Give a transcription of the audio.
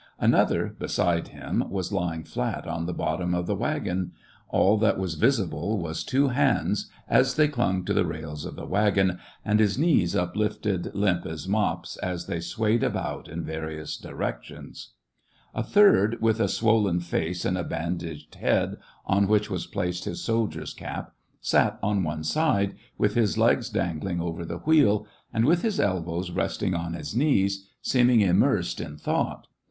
Another, beside him, was lying flat on the bottom of the wagon ; all that was visible was two hands, as they clung to the rails of the wagon, and his knees uplifted limp as mops, as they swayed about in various directions. A third, SEVASTOPOL IN AUGUST. 127 with a swollen face and a bandaged head, on which was placed his soldier's cap, sat on one side, with his legs dangling over the wheel, and, with his elbows resting on his knees, seemed immersed in thought.